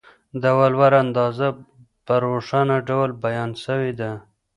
د ولور اندازه په روښانه ډول بیان سوې ده.